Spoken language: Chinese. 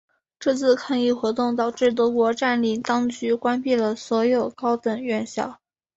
这次抗议活动导致德国占领当局关闭了所有高等院校。